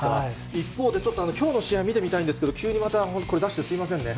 一方で、ちょっときょうの試合、見てみたいんですけど、急にまたこれ出してすみませんね。